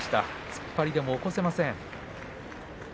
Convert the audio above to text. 突っ張りでも起こせません。